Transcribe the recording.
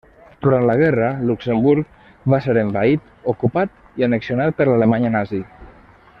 Durant la guerra, Luxemburg va ser envaït, ocupat i annexionat per l'Alemanya nazi.